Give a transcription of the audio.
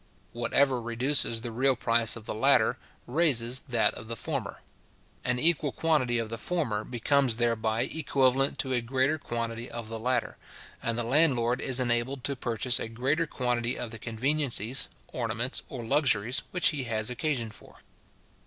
Whatever reduces the real price of the latter, raises that of the former. An equal quantity of the former becomes thereby equivalent to a greater quantity of the latter; and the landlord is enabled to purchase a greater quantity of the conveniencies, ornaments, or luxuries which he has occasion for.